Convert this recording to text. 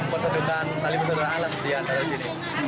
bersedukan tali persediaan latihan dari sini